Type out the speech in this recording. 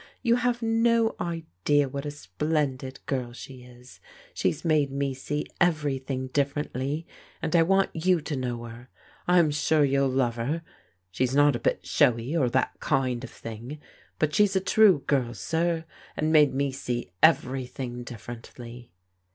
You have no idea what a splendid girl she is I She's made me see everything differently and I want you to know her. Vm sure you'll love her. She is not a bit showy or that kind of thing, but she's a true girl, sir, and made me see everything differently."